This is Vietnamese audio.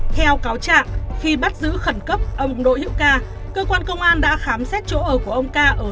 theo cáo chạm khi bắt giữ khẩn cấp ông đỗ hữu ca cơ quan công an đã khám xét chỗ ở của ông ca ở hải phòng